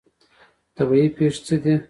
طبیعي پیښې څه دي؟